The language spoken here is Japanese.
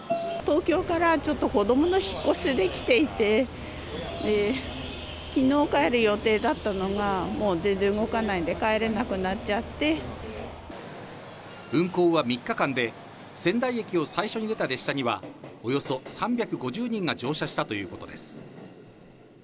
東京からちょっと子どもの引っ越しで来ていて、きのう帰る予定だったのが、もう全然動かないんで、帰れなく運行は３日間で、仙台駅を最初に出た列車には、およそ３５０人が乗車したということです。